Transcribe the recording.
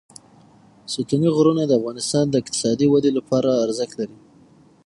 ستوني غرونه د افغانستان د اقتصادي ودې لپاره ارزښت لري.